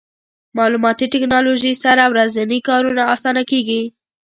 مالوماتي ټکنالوژي سره ورځني کارونه اسانه کېږي.